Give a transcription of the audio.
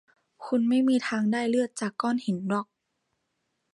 คุณไม่มีทางได้เลือดจากก้อนหินหรอก